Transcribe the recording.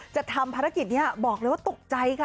จะทำภารกิจนี้บอกเลยว่าตกใจค่ะ